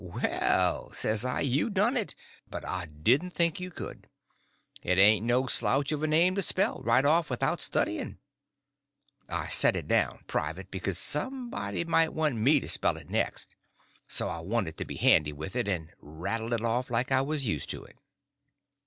"Well," says I, "you done it, but I didn't think you could. It ain't no slouch of a name to spell—right off without studying." I set it down, private, because somebody might want me to spell it next, and so I wanted to be handy with it and rattle it off like I was used to it.